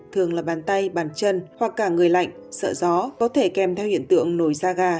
thường là bàn tay bàn chân hoặc cả người lạnh sợ gió có thể kèm theo hiện tượng nổi da gà